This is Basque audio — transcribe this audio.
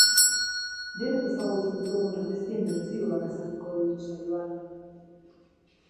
Denok ezagutzen ditugun abestien bertsioak azalduko ditu saioak.